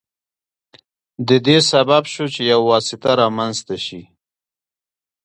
د دې سبب شو چې یو واسطه رامنځته شي.